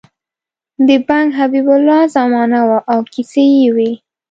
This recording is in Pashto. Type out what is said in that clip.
د بنګ حبیب الله زمانه وه او کیسې یې وې.